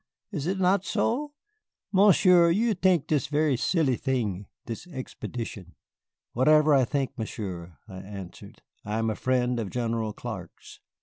Is it not so? Monsieur, you tink this ver' silly thing this expedition." "Whatever I think, Monsieur," I answered, "I am a friend of General Clark's."